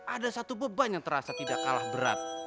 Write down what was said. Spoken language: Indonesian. ada satu beban yang terasa tidak kalah berat